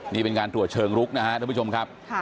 นี่เป็นการตรวจเชิงลุกนะครับท่านผู้ชมครับ